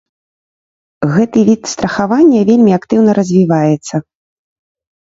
Гэты від страхавання вельмі актыўна развіваецца.